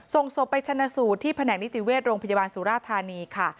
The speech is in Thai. ส่งศพไปชนะสูตรที่แผนกนิติเวชโรงพยาบาลสุราธานีค่ะ